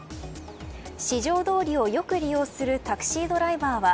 四条通をよく利用するタクシードライバーは。